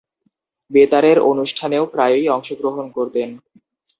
বেতারের অনুষ্ঠানেও প্রায়ই অংশগ্রহণ করতেন।